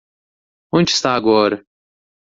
Onde está agora?